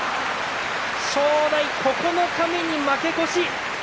正代、九日目に負け越し。